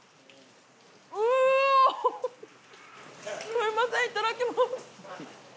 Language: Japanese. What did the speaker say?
すみませんいただきます。